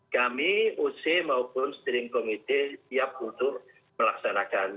kami oc maupun steering committee siap untuk melaksanakan